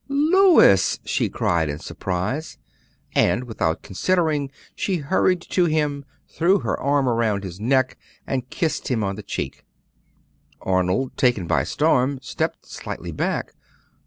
"Louis!" she cried in surprise; and without considering, she hurried to him, threw her arm around his neck, and kissed him on the cheek. Arnold, taken by storm, stepped slightly back.